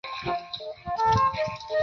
殿试登进士第二甲第二十名。